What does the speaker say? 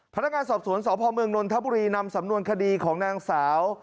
พนักงานสอบสวนสพเมืองนนทบุรีนำสำนวนคดีของนางสาว